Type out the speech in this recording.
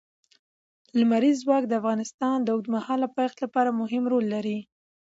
لمریز ځواک د افغانستان د اوږدمهاله پایښت لپاره مهم رول لري.